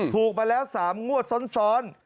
ถูกมาแล้ว๓งวดซ้อน